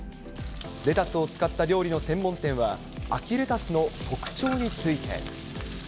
レタスを使った料理の専門店は、秋レタスの特徴について。